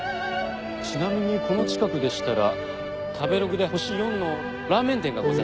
ちなみにこの近くでしたら食べログで星４のラーメン店がございます。